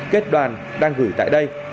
kết đoàn đang gửi tại đây